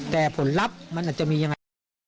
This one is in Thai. แต่ผลลัพธ์มันอาจจะมียังไงบ้าง